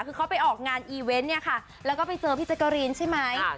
คือเขาไปออกงานอีเวนต์เนี่ยค่ะแล้วก็ไปเจอพี่แจ๊กกะรีนใช่ไหม